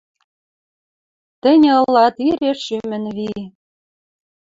Тӹньӹ ылат ире шӱмӹн ви...